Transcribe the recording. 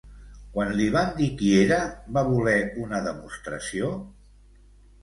Quan li van dir qui era, va voler una demostració?